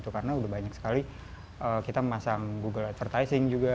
karena udah banyak sekali kita memasang google advertising juga